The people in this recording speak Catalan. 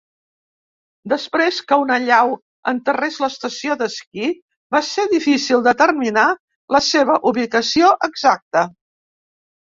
Després que un allau enterrés l'estació d'esquí, va ser difícil determinar la seva ubicació exacta.